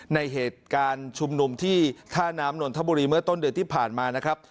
ในเหตุการณ์ชุมนุมที่ท่าน้ำนนทบุรีเมื่อต้นเดือนที่ผ่านมานะครับ